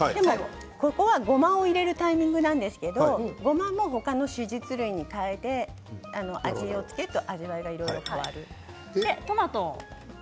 ここはごまを入れるタイミングなんですけれどもごまも他のものに変えると味がいろいろ変わる。